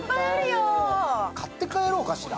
買って帰ろうかしら。